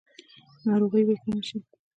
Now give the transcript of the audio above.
ناروغۍ به کمې شي؟